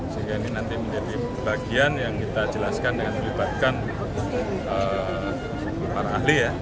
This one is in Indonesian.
sehingga ini nanti menjadi bagian yang kita jelaskan dengan melibatkan para ahli ya